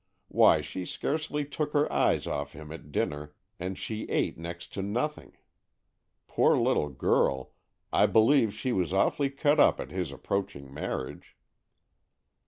Why, she scarcely took her eyes off him at dinner, and she ate next to nothing. Poor little girl, I believe she was awfully cut up at his approaching marriage."